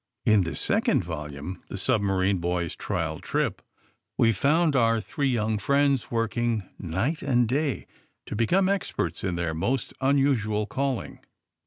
In the second volume, /^ The Submaeine Boys' Tkial Trip, '' we found our three young friends working night and day to become experts in their most unusual calling.